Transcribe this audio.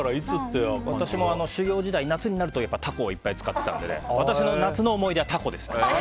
私も修業時代に夏になるとタコをいっぱい使っていたので私の夏の思い出はタコです。